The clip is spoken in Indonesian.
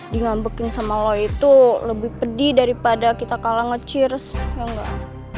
digambekin sama lo itu lebih pedih daripada kita kalah nge cheers ya enggak